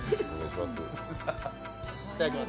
いただきます。